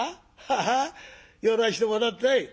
ハハッ寄らしてもらったい」。